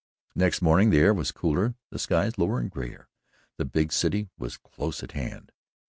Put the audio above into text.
Next morning the air was cooler, the skies lower and grayer the big city was close at hand.